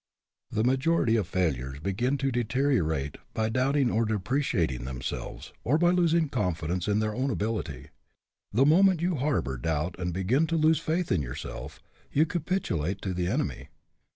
The majority of failures began to deteriorate by doubting or depreciating themselves, or by losing confidence in their own ability. The moment you harbor doubt and begin to lose faith in yourself, you capitulate to the enemy.